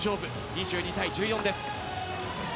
２２対１４です。